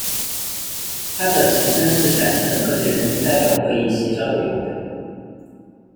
它的前身是陕西省各界人民代表会议协商委员会。